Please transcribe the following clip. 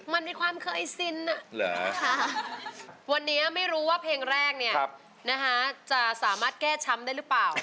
มันเป็นความเคยสิ้นน่ะค่ะวันนี้ไม่รู้ว่าเพลงแรกจะสามารถแก้ช้ำได้หรือเปล่า